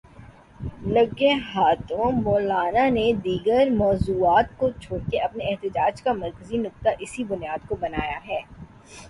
لگے ہاتھوں مولانا نے دیگر موضوعات کو چھوڑ کے اپنے احتجاج کا مرکزی نکتہ اسی بنیاد کو بنایا ہے۔